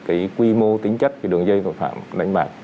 cái quy mô tính chất của đường dây phạm đánh bạc